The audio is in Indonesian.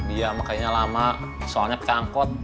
iya makanya lama soalnya pengangkot